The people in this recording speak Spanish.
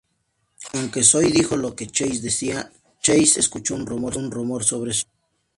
Aunque Zoey dijo "lo que Chase decida", Chase escuchó un rumor sobre Zoey.